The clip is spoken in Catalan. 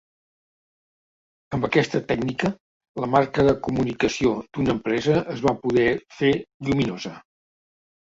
Amb aquesta tècnica, la marca de comunicació d'una empresa es va poder fer lluminosa.